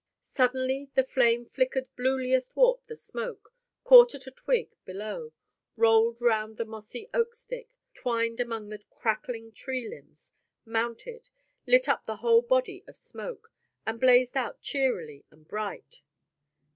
Suddenly the flame flickered bluely athwart the smoke caught at a twig below rolled round the mossy oak stick twined among the crackling tree limbs mounted lit up the whole body of smoke, and blazed out cheerily and bright.